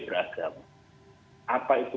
beragama apa itu